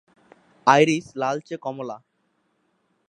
Iris লালচে-কমলা।